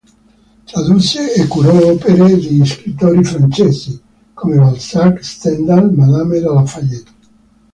Tradusse e curò opere di scrittori francesi come Balzac, Stendhal, Madame de La Fayette.